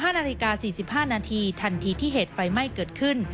๕นาฬิกา๔๕นาทีทันทีที่เหตุไฟไหม้เกิดขึ้น